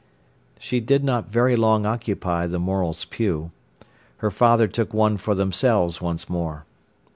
She did not very long occupy the Morels' pew. Her father took one for themselves once more.